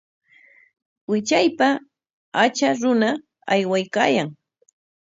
Wichaypa acha runa aywaykaayan